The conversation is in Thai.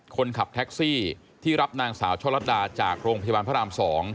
คนขับแท็กซี่ที่รับนางสาวช่อลัดดาจากโรงพยาบาลพระราม๒